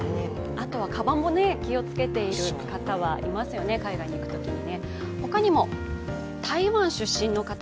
あとはかばんも気をつけている方はいますよね、海外に行くときに。